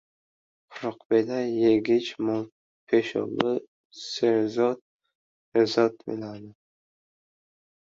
Quruq beda yegich mol peshobi serazot-serazot bo‘ladi!